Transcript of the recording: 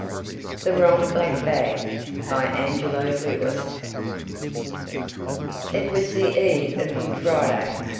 THE WRONG BLACK BAG BY ANGELO LEWIS It was the eve of Good Friday.